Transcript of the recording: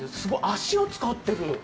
足を使ってる。